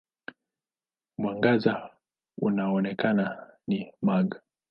Mwangaza unaoonekana ni mag.